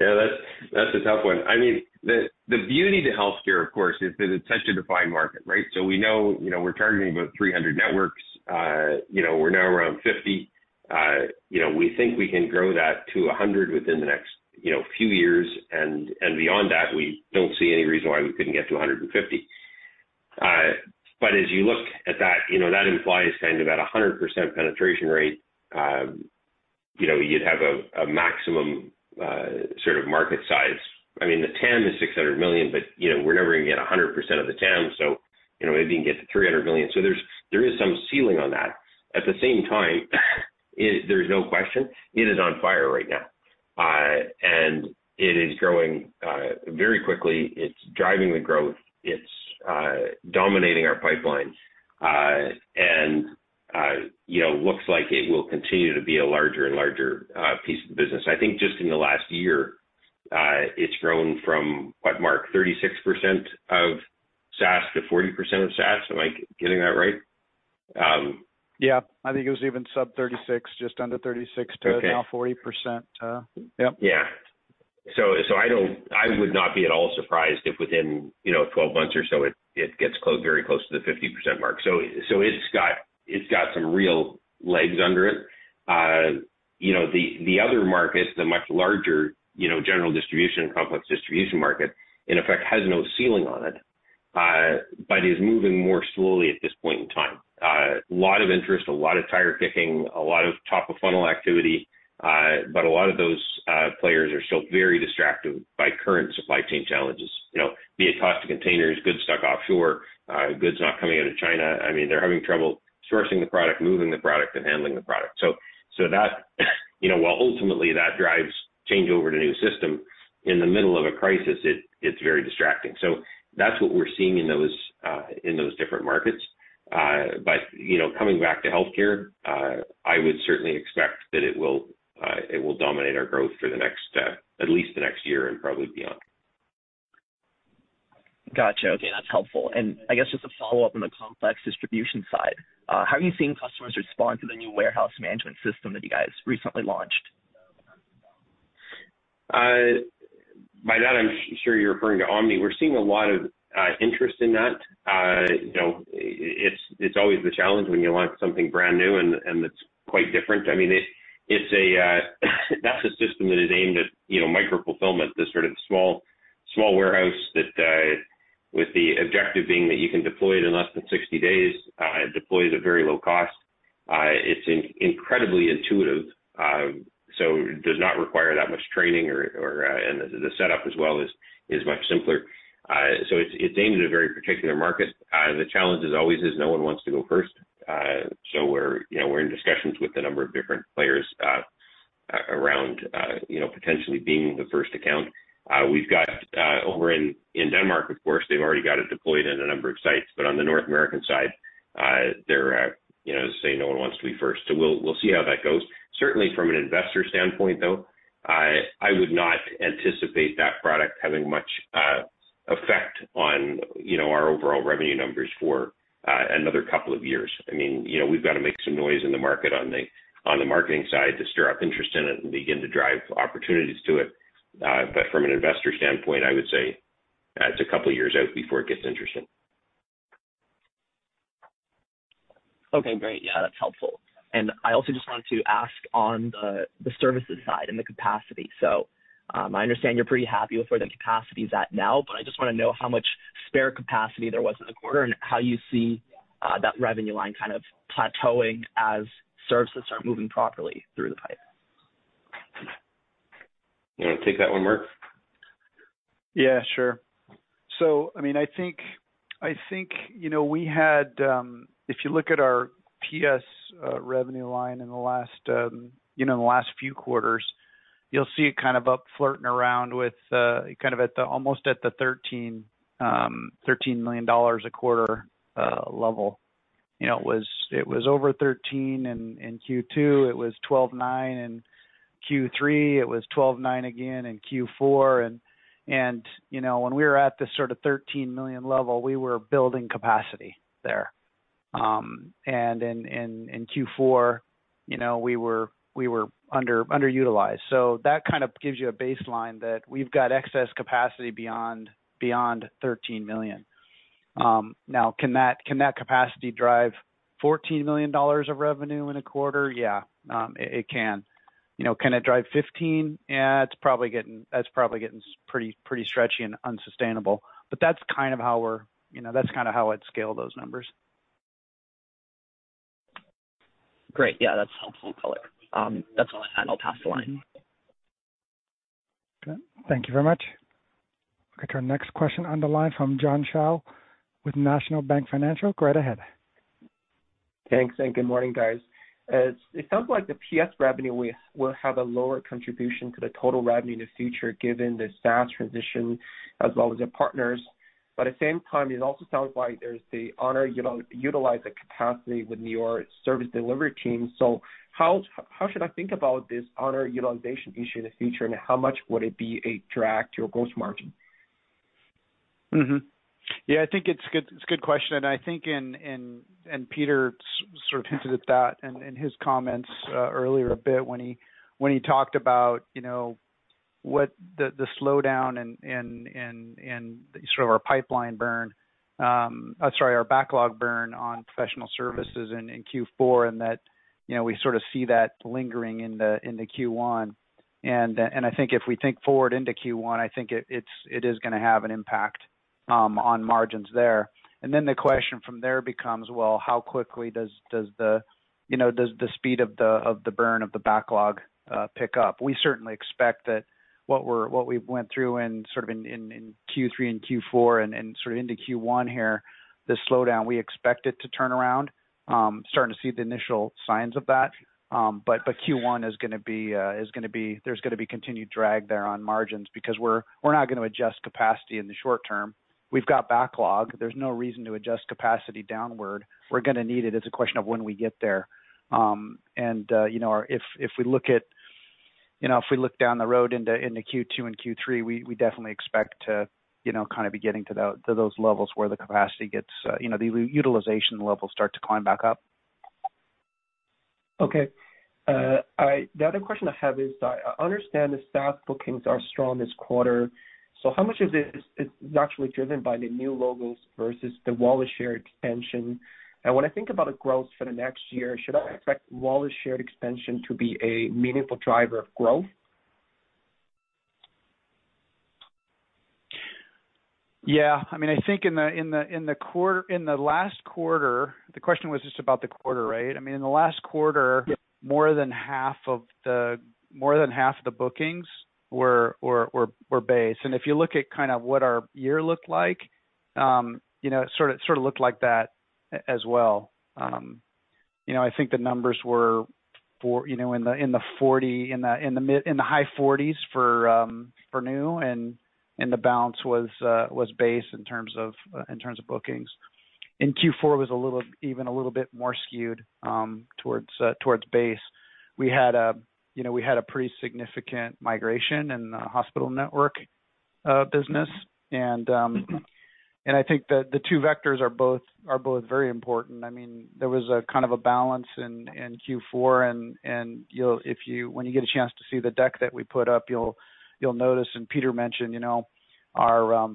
Yeah, that's a tough one. I mean, the beauty of healthcare, of course, is that it's such a defined market, right? We know, you know, we're targeting about 300 networks. You know, we're now around 50. You know, we think we can grow that to 100 within the next, you know, few years. Beyond that, we don't see any reason why we couldn't get to 150. As you look at that, you know, that implies kind of a 100% penetration rate. You know, you'd have a maximum sort of market size. I mean, the TAM is 600 million, but, you know, we're never gonna get 100% of the TAM, so, you know, maybe you can get to 300 million. There's some ceiling on that. At the same time, it, there's no question, it is on fire right now. It is growing very quickly. It's driving the growth. It's dominating our pipelines. You know, looks like it will continue to be a larger and larger piece of the business. I think just in the last year, it's grown from what Mark, 36% of SaaS-40% of SaaS. Am I getting that right? Yeah. I think it was even sub 36%, just under 36%. Okay. To now 40%. Yep. Yeah. I would not be at all surprised if within, you know, 12 months or so it gets very close to the 50% mark. It's got some real legs under it. You know, the other markets, the much larger, you know, general distribution, complex distribution market in effect has no ceiling on it, but is moving more slowly at this point in time. A lot of interest, a lot of tire kicking, a lot of top of funnel activity. But a lot of those players are still very distracted by current supply chain challenges, you know, be it cost of containers, goods stuck offshore, goods not coming out of China. I mean, they're having trouble sourcing the product, moving the product and handling the product. So that, you know, while ultimately that drives changeover to new system, in the middle of a crisis, it's very distracting. That's what we're seeing in those different markets. You know, coming back to healthcare, I would certainly expect that it will dominate our growth for the next, at least the next year and probably beyond. Gotcha. Okay, that's helpful. I guess just a follow-up on the complex distribution side. How are you seeing customers respond to the new warehouse management system that you guys recently launched? By that I'm sure you're referring to Omni. We're seeing a lot of interest in that. You know, it's always the challenge when you launch something brand new and that's quite different. I mean, it's a system that is aimed at, you know, micro fulfillment, the sort of small warehouse that, with the objective being that you can deploy it in less than 60 days, deploy it at very low cost. It's incredibly intuitive. So does not require that much training or and the setup as well is much simpler. So it's aimed at a very particular market. The challenge is always no one wants to go first. We're, you know, in discussions with a number of different players around, you know, potentially being the first account. We've got over in Denmark, of course, they've already got it deployed in a number of sites. On the North American side, they're, you know, as I say, no one wants to be first. We'll see how that goes. Certainly from an investor standpoint, though, I would not anticipate that product having much effect on, you know, our overall revenue numbers for another couple of years. I mean, you know, we've got to make some noise in the market on the marketing side to stir up interest in it and begin to drive opportunities to it. From an investor standpoint, I would say it's a couple of years out before it gets interesting. Okay, great. Yeah, that's helpful. I also just wanted to ask on the services side and the capacity. I understand you're pretty happy with where the capacity is at now, but I just want to know how much spare capacity there was in the quarter and how you see that revenue line kind of plateauing as services start moving properly through the pipe. You want to take that one, Mark? Yeah, sure. I mean, I think you know if you look at our PS revenue line in the last few quarters, you'll see it kind of up, flirting around with almost the 13 million dollars a quarter level. You know, it was over 13 million in Q2, it was 12.9 million in Q3, it was 12.9 million again in Q4. You know, when we were at this sort of 13 million level, we were building capacity there. In Q4, you know, we were underutilized. That kind of gives you a baseline that we've got excess capacity beyond 13 million. Now can that capacity drive 14 million dollars of revenue in a quarter? Yeah, it can. You know, can it drive 15 million? Yeah, it's probably getting pretty stretchy and unsustainable. But that's kind of how, you know, I'd scale those numbers. Great. Yeah, that's helpful color. That's all I had. I'll pass the line. Okay. Thank you very much. Back to our next question on the line from John Shao with National Bank Financial. Go right ahead. Thanks, good morning, guys. It sounds like the PS revenue will have a lower contribution to the total revenue in the future, given the SaaS transition as well as your partners. At the same time, it also sounds like there's underutilized capacity with your service delivery team. How should I think about this underutilization issue in the future, and how much would it be a drag to your gross margin? Yeah, I think it's a good question. I think Peter sort of hinted at that in his comments earlier when he talked about you know the slowdown in sort of our backlog burn on professional services in Q4, and that you know we sort of see that lingering into Q1. I think if we think forward into Q1, I think it is gonna have an impact on margins there. Then the question from there becomes, well, how quickly does the speed of the burn of the backlog pick up? We certainly expect that what we went through in sort of in Q3 and Q4 and sort of into Q1 here, the slowdown, we expect it to turn around. Starting to see the initial signs of that. Q1 is gonna be. There's gonna be continued drag there on margins because we're not gonna adjust capacity in the short term. We've got backlog. There's no reason to adjust capacity downward. We're gonna need it. It's a question of when we get there. You know, if we look down the road into Q2 and Q3, we definitely expect to, you know, kind of be getting to those levels where the capacity gets the utilization levels start to climb back up. Okay. The other question I have is, I understand the SaaS bookings are strong this quarter, so how much of this is actually driven by the new logos versus the wallet share expansion? And when I think about the growth for the next year, should I expect wallet share expansion to be a meaningful driver of growth? Yeah. I mean, I think in the last quarter. The question was just about the quarter, right? I mean, in the last quarter. Yeah. More than half of the bookings were base. If you look at kind of what our year looked like, you know, it sort of looked like that as well. You know, I think the numbers were, you know, in the high 40s for new and the balance was base in terms of bookings. In Q4 was a little, even a little bit more skewed towards base. You know, we had a pretty significant migration in the hospital network business. Mm-hmm I think that the two vectors are both very important. I mean, there was a kind of a balance in Q4. You know, when you get a chance to see the deck that we put up, you'll notice, and Peter mentioned, you know, our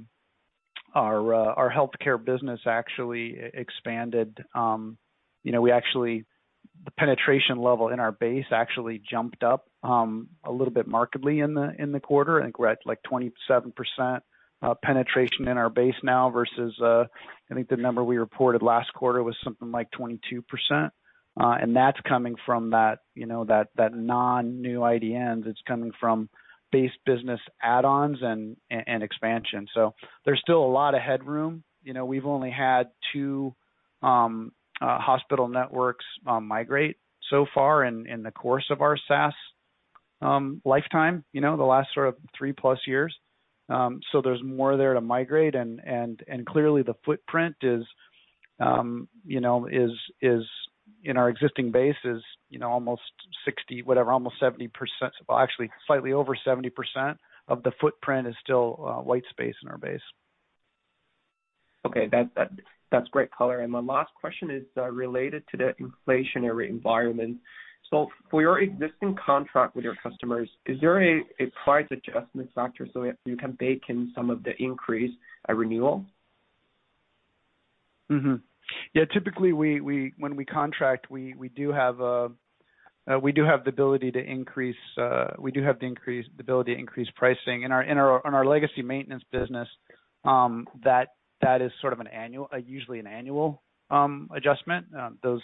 healthcare business actually expanded. You know, the penetration level in our base actually jumped up a little bit markedly in the quarter. I think we're at, like, 27% penetration in our base now versus, I think the number we reported last quarter was something like 22%. That's coming from that, you know, that non-new IDNs. It's coming from base business add-ons and expansion. There's still a lot of headroom. You know, we've only had two hospital networks migrate so far in the course of our SaaS lifetime, you know, the last sort of 3+ years. There's more there to migrate. Clearly the footprint is in our existing bases, you know, almost 60%, whatever, almost 70%. Well, actually slightly over 70% of the footprint is still white space in our base. Okay. That's great color. My last question is related to the inflationary environment. For your existing contract with your customers, is there a price adjustment factor, so you can bake in some of the increase at renewal? Yeah, typically we, when we contract, we do have the ability to increase pricing. In our legacy maintenance business, that is sort of an annual, usually an annual adjustment. Those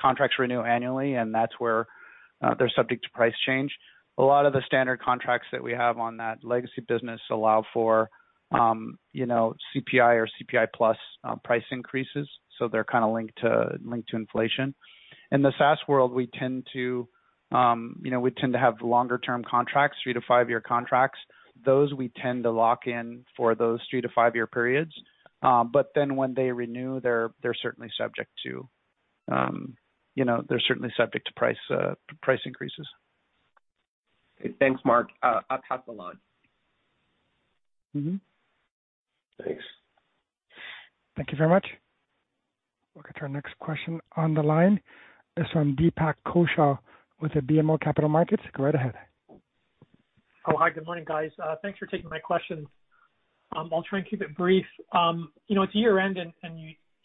contracts renew annually, and that's where they're subject to price change. A lot of the standard contracts that we have on that legacy business allow for, you know, CPI or CPI plus price increases, so they're kinda linked to inflation. In the SaaS world, we tend to, you know, we tend to have longer-term contracts, three-year to five-year contracts. Those we tend to lock in for those three-year to five-year periods. When they renew, they're certainly subject to, you know, price increases. Thanks, Mark. I'll pass along. Mm-hmm. Thanks. Thank you very much. We'll get to our next question on the line. It's from Deepak Kaushal with BMO Capital Markets. Go right ahead. Oh, hi. Good morning, guys. Thanks for taking my questions. I'll try and keep it brief. You know, it's year-end, and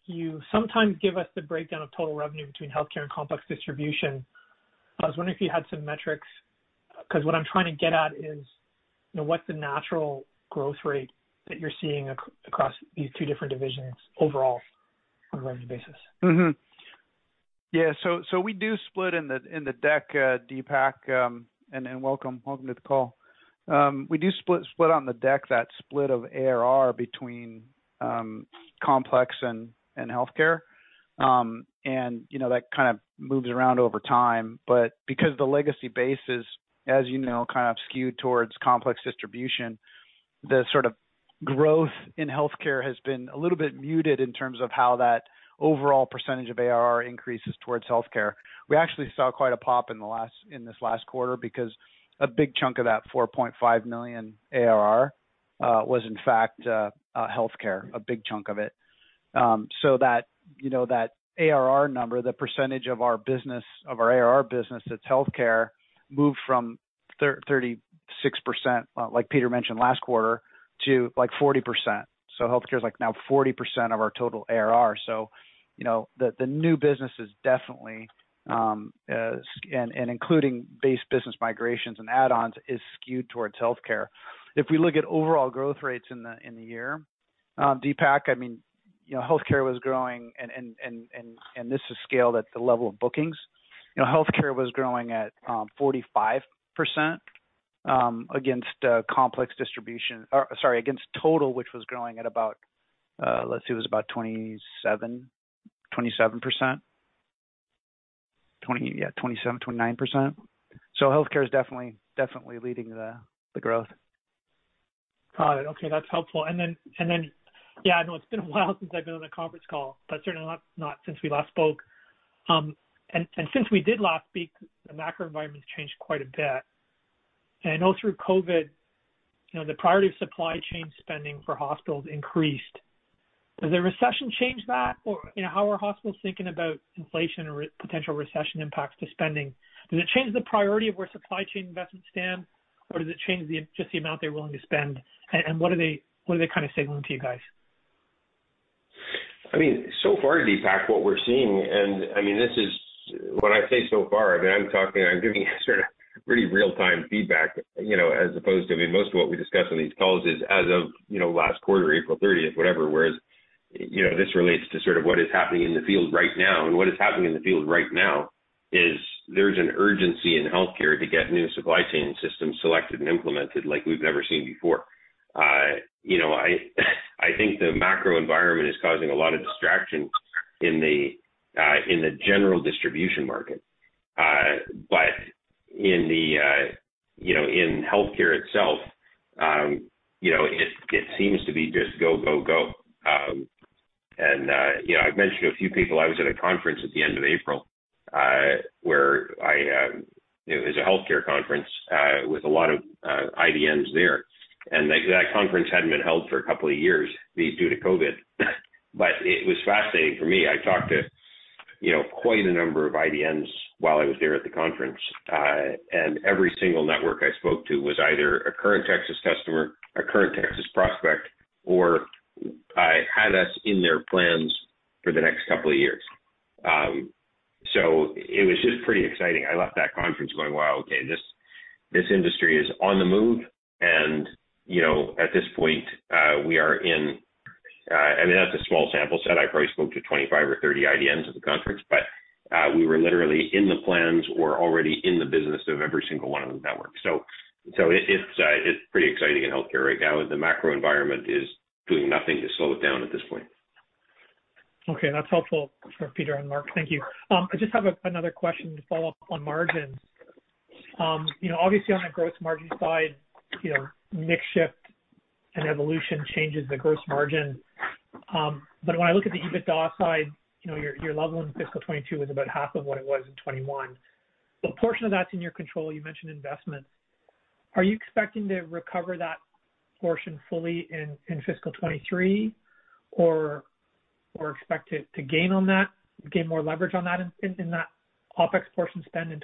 you sometimes give us the breakdown of total revenue between healthcare and complex distribution. I was wondering if you had some metrics, 'cause what I'm trying to get at is, you know, what's the natural growth rate that you're seeing across these two different divisions overall on a revenue basis? We split in the deck, Deepak, and welcome to the call. We split on the deck, that split of ARR between complex and healthcare. You know, that kind of moves around over time. Because the legacy base is, as you know, kind of skewed towards complex distribution, the sort of growth in healthcare has been a little bit muted in terms of how that overall percentage of ARR increases towards healthcare. We actually saw quite a pop in this last quarter because a big chunk of that 4.5 million ARR was in fact healthcare, a big chunk of it. That you know, that ARR number, the percentage of our business, of our ARR business that's healthcare, moved from 36%, like Peter mentioned last quarter, to like 40%. Healthcare is like now 40% of our total ARR. You know, the new business is definitely and including base business migrations and add-ons, is skewed towards healthcare. If we look at overall growth rates in the year, Deepak, I mean you know, healthcare was growing and this is scaled at the level of bookings. You know, healthcare was growing at 45% against total, which was growing at about 27%-29%. Healthcare is definitely leading the growth. Got it. Okay, that's helpful. Then, yeah, I know it's been a while since I've been on a conference call, but certainly not since we last spoke. Since we last spoke, the macro environment's changed quite a bit. I know through COVID, you know, the priority of supply chain spending for hospitals increased. Does the recession change that? Or, you know, how are hospitals thinking about inflation or potential recession impacts to spending? Does it change the priority of where supply chain investments stand, or does it change just the amount they're willing to spend? What are they kind of signaling to you guys? I mean, so far, Deepak, what we're seeing, and I mean, this is. When I say so far, I mean, I'm talking, I'm giving you sort of pretty real-time feedback, you know, as opposed to, I mean, most of what we discuss on these calls is as of, you know, last quarter, April thirtieth, whatever. Whereas, you know, this relates to sort of what is happening in the field right now. What is happening in the field right now is there's an urgency in healthcare to get new supply chain systems selected and implemented like we've never seen before. You know, I think the macro environment is causing a lot of distraction in the general distribution market. But in the you know, in healthcare itself, you know, it seems to be just go, go. You know, I've mentioned to a few people I was at a conference at the end of April. It was a healthcare conference with a lot of IDNs there. Like, that conference hadn't been held for a couple of years due to COVID. It was fascinating for me. I talked to, you know, quite a number of IDNs while I was there at the conference. Every single network I spoke to was either a current Tecsys customer, a current Tecsys prospect, or had us in their plans for the next couple of years. It was just pretty exciting. I left that conference going, "Wow, okay. This industry is on the move." You know, at this point, I mean, that's a small sample set. I probably spoke to 25 or 30 IDNs at the conference, but we were literally in the plans or already in the business of every single one of the networks. It's pretty exciting in healthcare right now, and the macro environment is doing nothing to slow it down at this point. Okay, that's helpful for Peter and Mark. Thank you. I just have another question to follow up on margins. You know, obviously on the gross margin side, you know, mix shift and evolution changes the gross margin. When I look at the EBITDA side, you know, your level in fiscal 2022 was about half of what it was in 2021. A portion of that's in your control. You mentioned investment. Are you expecting to recover that portion fully in fiscal 2023 or expect it to gain more leverage on that in that OpEx portion spend in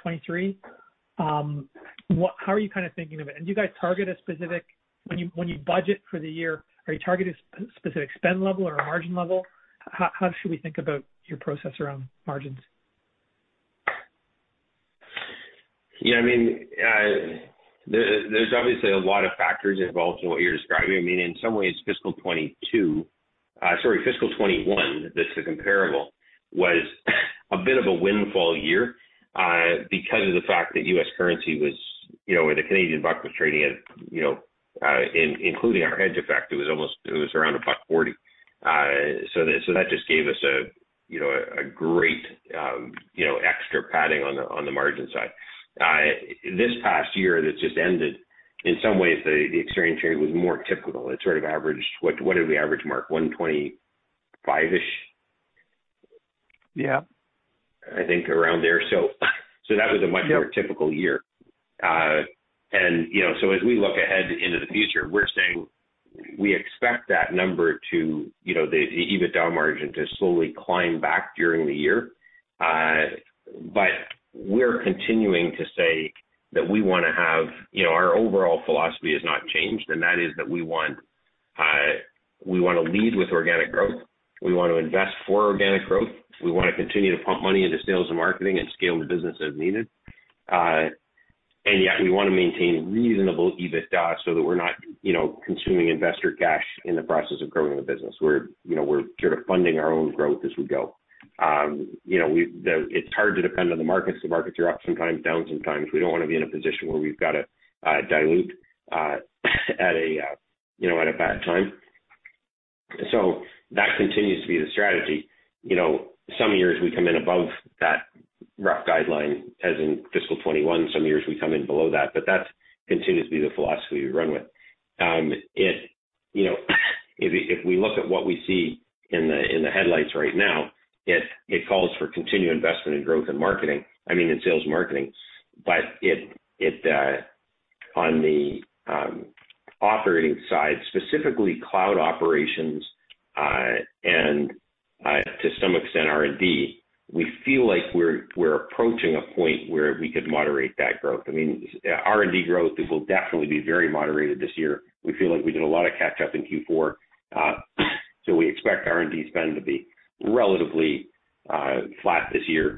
2023? How are you kind of thinking of it? Do you guys target a specific. When you budget for the year, are you targeting specific spend level or a margin level? How should we think about your process around margins? Yeah, I mean, there's obviously a lot of factors involved in what you're describing. I mean, in some ways, fiscal 2021, that's the comparable, was a bit of a windfall year, because of the fact that U.S, currency was, you know, or the Canadian buck was trading at, you know, including our hedge effect, it was almost, it was around 1.40. That just gave us a, you know, a great, you know, extra padding on the margin side. This past year that's just ended, in some ways the exchange rate was more typical. It sort of averaged. What did we average, Mark? 1.25-ish? Yeah. I think around there. That was a much more typical year. You know, as we look ahead into the future, we're saying we expect that number to, you know, the EBITDA margin to slowly climb back during the year. We're continuing to say that we wanna have. You know, our overall philosophy has not changed, and that is that we wanna lead with organic growth. We want to invest for organic growth. We wanna continue to pump money into sales and marketing and scale the business as needed. Yet we wanna maintain reasonable EBITDA so that we're not, you know, consuming investor cash in the process of growing the business. You know, we're sort of funding our own growth as we go. You know, it's hard to depend on the markets. The markets are up sometimes, down sometimes. We don't wanna be in a position where we've got to dilute, you know, at a bad time. That continues to be the strategy. You know, some years we come in above that rough guideline, as in fiscal 2021. Some years we come in below that. That continues to be the philosophy we run with. You know, if we look at what we see in the headlights right now, it calls for continued investment in growth and marketing, I mean, in sales and marketing. On the operating side, specifically cloud operations, and to some extent R&D, we feel like we're approaching a point where we could moderate that growth. I mean, R&D growth will definitely be very moderated this year. We feel like we did a lot of catch up in Q4, so we expect R&D spend to be relatively flat this year.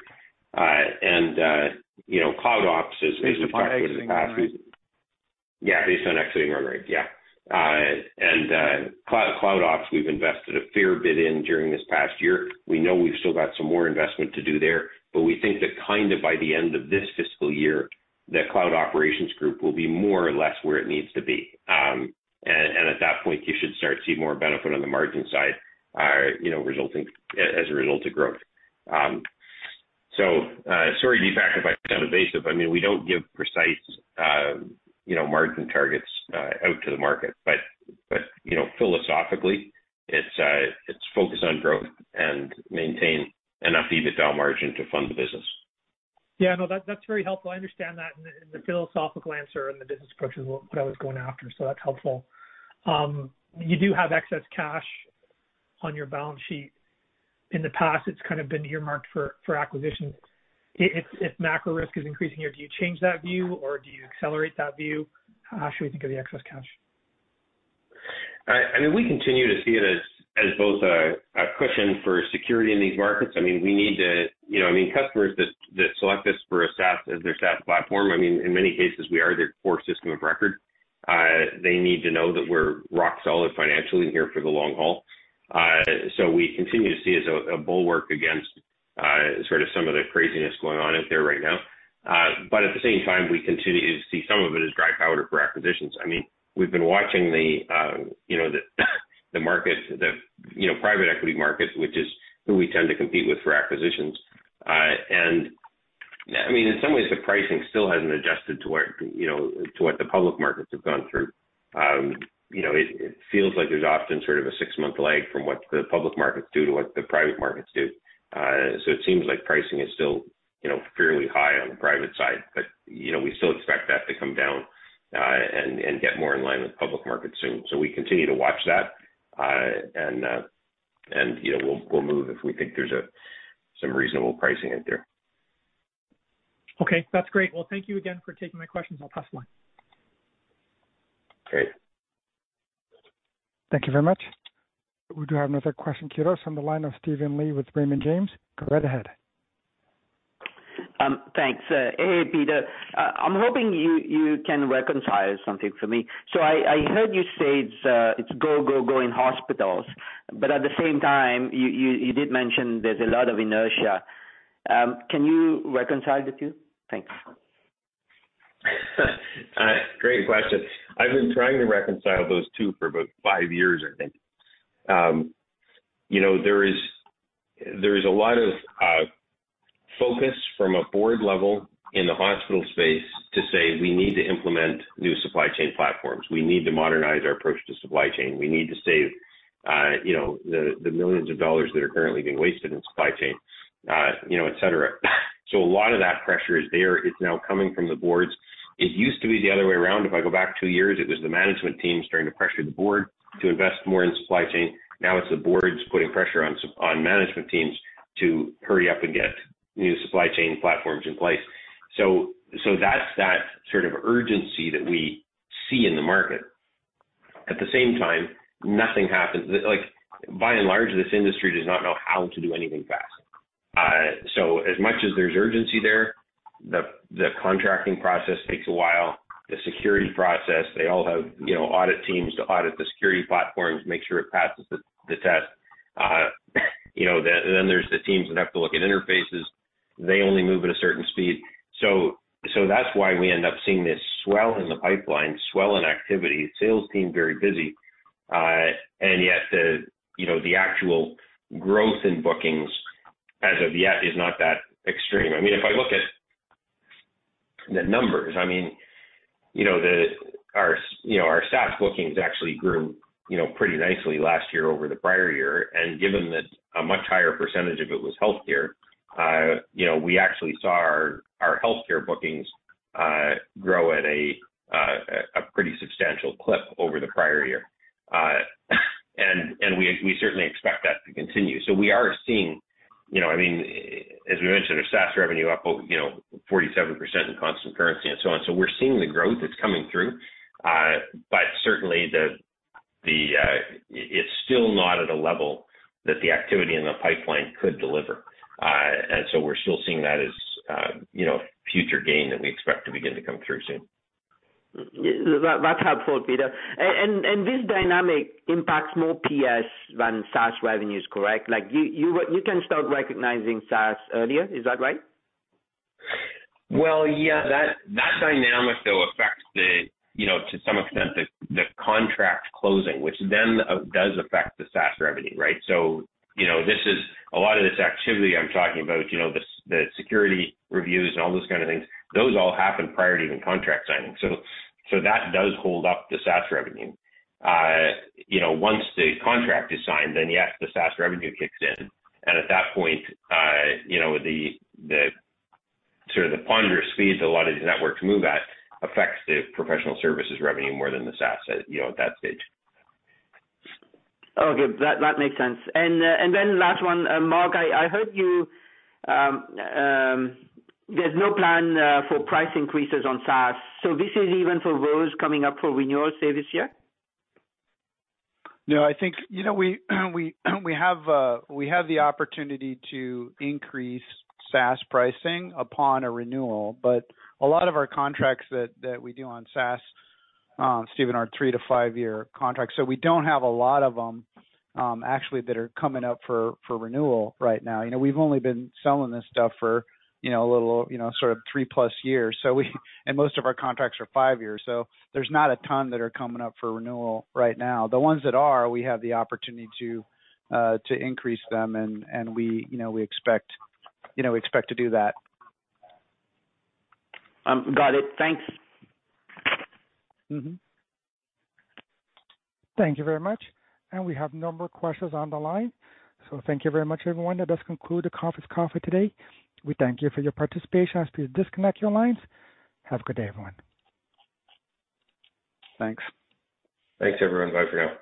You know, cloud ops is. Based on existing run rates. Yeah, based on existing run rates. Yeah. Cloud ops, we've invested a fair bit in during this past year. We know we've still got some more investment to do there, but we think that kind of by the end of this fiscal year, the cloud operations group will be more or less where it needs to be. At that point, you should start to see more benefit on the margin side, you know, as a result of growth. Sorry, Deepak, if I sound evasive. I mean, we don't give precise margin targets out to the market. Philosophically, it's focused on growth and maintain enough EBITDA margin to fund the business. Yeah, I know that. That's very helpful. I understand that and the philosophical answer and the business approach is what I was going after, so that's helpful. You do have excess cash on your balance sheet. In the past, it's kind of been earmarked for acquisitions. If macro risk is increasing here, do you change that view or do you accelerate that view? How should we think of the excess cash? I mean, we continue to see it as both a cushion for security in these markets. You know, I mean, customers that select us for a SaaS as their SaaS platform. I mean, in many cases we are their core system of record. They need to know that we're rock solid financially and here for the long haul. We continue to see as a bulwark against sort of some of the craziness going on out there right now. But at the same time, we continue to see some of it as dry powder for acquisitions. I mean, we've been watching you know, the market, private equity markets, which is who we tend to compete with for acquisitions. I mean, in some ways the pricing still hasn't adjusted to what, you know, to what the public markets have gone through. You know, it feels like there's often sort of a six-month lag from what the public markets do to what the private markets do. It seems like pricing is still, you know, fairly high on the private side. You know, we still expect that to come down and get more in line with public markets soon. We continue to watch that and, you know, we'll move if we think there's some reasonable pricing out there. Okay, that's great. Well, thank you again for taking my questions. I'll pass the line. Great. Thank you very much. We do have another question queue. On the line of Steven Li with Raymond James. Go right ahead. Thanks. Hey, Peter. I'm hoping you can reconcile something for me. I heard you say it's go, go in hospitals, but at the same time, you did mention there's a lot of inertia. Can you reconcile the two? Thanks. Great question. I've been trying to reconcile those two for about five years, I think. You know, there is a lot of focus from a board level in the hospital space to say, "We need to implement new supply chain platforms. We need to modernize our approach to supply chain. We need to save, you know, the millions of dollars that are currently being wasted in supply chain, you know, et cetera." A lot of that pressure is there. It's now coming from the Boards. It used to be the other way around. If I go back two years, it was the management teams starting to pressure the Board to invest more in supply chain. Now it's the Board is putting pressure on management teams to hurry up and get new supply chain platforms in place. That's that sort of urgency that we see in the market. At the same time, nothing happens. Like, by and large, this industry does not know how to do anything fast. So as much as there's urgency there, the contracting process takes a while. The security process, they all have, you know, audit teams to audit the security platforms, make sure it passes the test. You know, then there's the teams that have to look at interfaces. They only move at a certain speed. So that's why we end up seeing this swell in the pipeline, swell in activity, sales team very busy. And yet the, you know, the actual growth in bookings as of yet is not that extreme. I mean, if I look at the numbers, I mean, you know, our SaaS bookings actually grew, you know, pretty nicely last year over the prior year. Given that a much higher percentage of it was healthcare, you know, we actually saw our healthcare bookings grow at a pretty substantial clip over the prior year. We certainly expect that to continue. We are seeing, you know, I mean, as we mentioned, our SaaS revenue up, you know, 47% in constant currency and so on. We're seeing the growth that's coming through. But certainly it's still not at a level that the activity in the pipeline could deliver. We're still seeing that as, you know, future gain that we expect to begin to come through soon. Yeah. That's helpful, Peter. This dynamic impacts more PS than SaaS revenues, correct? Like, you can start recognizing SaaS earlier, is that right? Well, yeah, that dynamic though affects, you know, to some extent, the contract closing, which then does affect the SaaS revenue, right? You know, this is a lot of this activity I'm talking about, you know, the security reviews and all those kind of things. Those all happen prior to even contract signing. That does hold up the SaaS revenue. You know, once the contract is signed, then, yes, the SaaS revenue kicks in. At that point, you know, the sort of ponderous speeds a lot of these networks move at affects the professional services revenue more than the SaaS, you know, at that stage. Okay. That makes sense. Then last one, Mark, I heard you, there's no plan for price increases on SaaS, so this is even for those coming up for renewal say this year? No, I think, you know, we have the opportunity to increase SaaS pricing upon a renewal. A lot of our contracts that we do on SaaS, Steven, are three-year to five-year contracts, so we don't have a lot of them, actually that are coming up for renewal right now. You know, we've only been selling this stuff for, you know, a little, you know, sort of 3+ years. Most of our contracts are five years, so there's not a ton that are coming up for renewal right now. The ones that are, we have the opportunity to increase them and we, you know, expect to do that. Got it. Thanks. Mm-hmm. Thank you very much. We have no more questions on the line. Thank you very much everyone. That does conclude the conference call for today. We thank you for your participation. I ask you to disconnect your lines. Have a good day, everyone. Thanks. Thanks everyone. Bye for now.